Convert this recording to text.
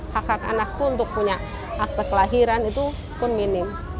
hak hak anakku untuk punya akte kelahiran itu pun minim